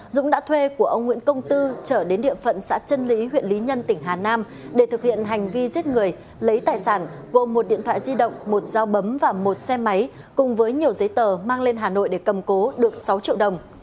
dũng đã thuê của ông nguyễn công tư trở đến địa phận xã trân lý huyện lý nhân tỉnh hà nam để thực hiện hành vi giết người lấy tài sản gồm một điện thoại di động một dao bấm và một xe máy cùng với nhiều giấy tờ mang lên hà nội để cầm cố được sáu triệu đồng